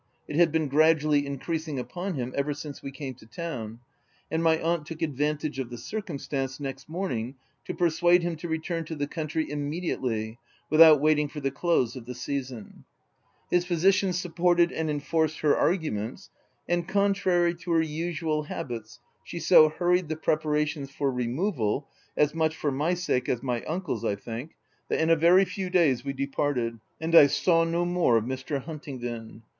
It had been gradually OF WILDFELL HALL, 315 increasing upon him ever since we came to town ; and my aunt took advantage of the circumstance, next morning, to persuade him to return to the country immediately, without waiting for the close of the season. His physician supported and enforced her arguments ; and contrary to her usual habits, she so hurried the preparations for removal (as much for my sake as my uncle's, I think,) that in a very few days we departed ; and I saw no more of Mr. Huntingdon.